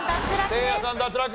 せいやさん脱落！